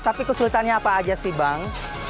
tapi kesulitannya apa aja sih bang